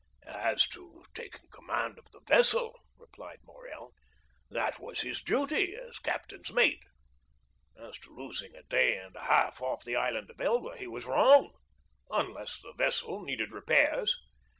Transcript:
0025m "As to taking command of the vessel," replied Morrel, "that was his duty as captain's mate; as to losing a day and a half off the Island of Elba, he was wrong, unless the vessel needed repairs."